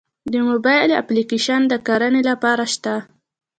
د موبایل اپلیکیشن د کرنې لپاره شته؟